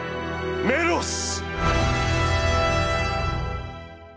メロス」。